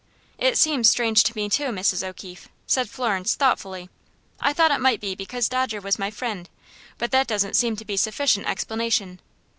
"It seems strange to me, Mrs. O'Keefe," said Florence, thoughtfully. "I thought it might be because Dodger was my friend, but that doesn't seem to be sufficient explanation.